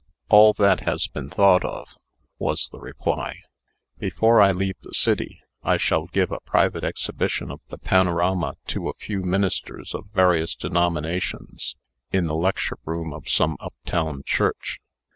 "All that has been thought of," was the reply. "Before I leave the city, I shall give a private exhibition of the panorama to a few ministers of various denominations, in the lecture room of some up town church.